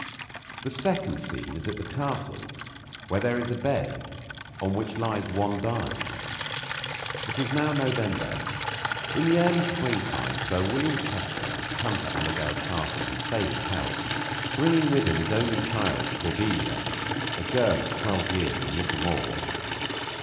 The second scene is at the castle, where there is a bed on which lies one dying. It is now November. In the early springtime Sir William Chester had come to Allerdale Castle in failing health, bringing with him his only child, Cordelia, a girl of twelve years and little more.